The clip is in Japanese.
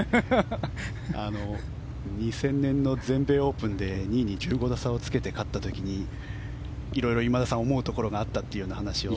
２０００年全米オープンで２位に１５打差をつけて勝った時にいろいろ今田さん思うところがあったという話を。